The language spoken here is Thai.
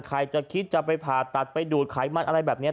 ใครจะคิดจะไปผ่าตัดไปดูดไขมันอะไรแบบนี้